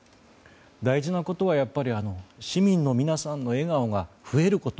大事なことは、やっぱり市民の皆さんの笑顔が増えること。